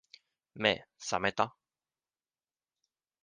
目、さめた？